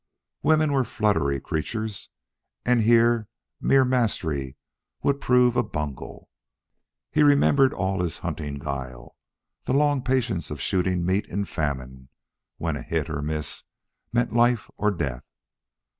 Women were fluttery creatures, and here mere mastery would prove a bungle. He remembered all his hunting guile, the long patience of shooting meat in famine when a hit or a miss meant life or death.